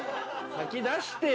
先出してよ！